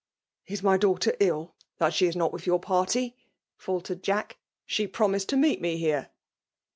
*' Is my (laughter t77, that she is not with your party T' — faltered Jack. '* She promised lo meet me here.'